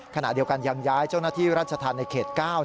ขณะเดียวกันยั่นย้าให้เจ้าหน้าที่ราชฐานในเขต๙